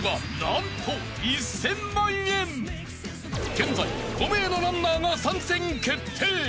［現在５名のランナーが参戦決定］